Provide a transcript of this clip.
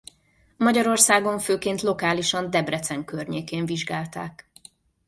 Magyarországon főként lokálisan Debrecen környékén vizsgálták.